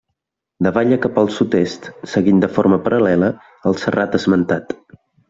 Davalla cap al sud-est seguint de forma paral·lela el serrat esmentat.